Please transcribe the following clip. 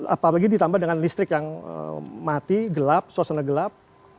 apalagi ditambah dengan listrik yang mati gelap suasana gelap